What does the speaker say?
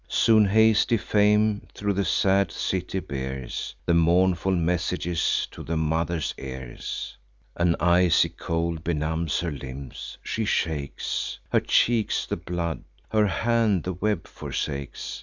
Soon hasty fame thro' the sad city bears The mournful message to the mother's ears. An icy cold benumbs her limbs; she shakes; Her cheeks the blood, her hand the web forsakes.